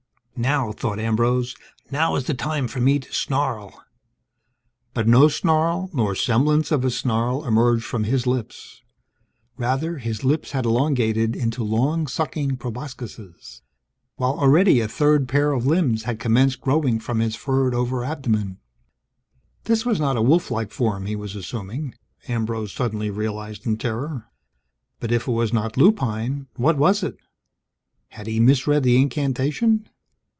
Now, thought Ambrose, now is the time for me to snarl. But no snarl, nor semblance of a snarl, emerged from his lips. Rather, his lips had elongated into long sucking proboscises, while already a third pair of limbs had commenced growing from his furred over abdomen. This was not a wolf like form, he was assuming, Ambrose suddenly realized in terror. But if it was not lupine, what was it? Had he misread the incantation?